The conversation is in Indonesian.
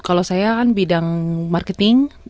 kalau saya kan bidang marketing